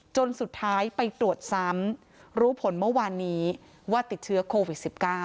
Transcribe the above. จนสุดท้ายไปตรวจซ้ำรู้ผลเมื่อวานนี้ว่าติดเชื้อโควิด๑๙